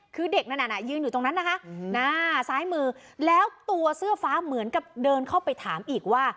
คือเด็กนั้นยืนอยู่ตรงนั้นนะคะซ้ายมือแล้วตัวเสื้อฟ้าเหมือนกับเดินเข้าไปถามอีกว่า